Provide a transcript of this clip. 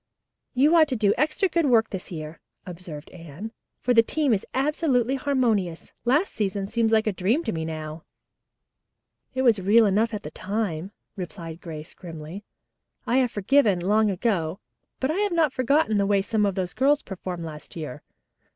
"You ought to do extra good work this year," observed Anne, "for the team is absolutely harmonious. Last season seems like a dream to me now." "It was real enough then," replied Grace grimly. "I have forgiven, long ago, but I have not forgotten the way some of those girls performed last year.